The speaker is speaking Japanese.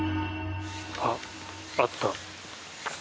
あっあった。